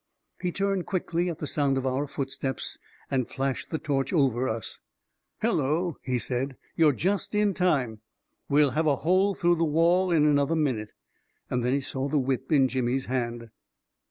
He turned quickly at the sound of our footsteps and flashed the torch over us. 44 Hello !" he said. 4< You're just in time. We will have a hole through the wall in another min ute." Then he saw the whip in Jimmy's hand.